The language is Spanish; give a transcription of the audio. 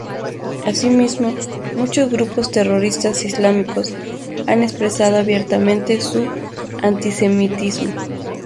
Asimismo, muchos grupos terroristas islámicos han expresado abiertamente su antisemitismo.